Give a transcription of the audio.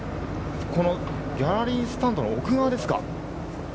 ギャラリースタンドの奥側ですか？